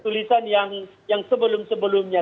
tulisan yang sebelum sebelumnya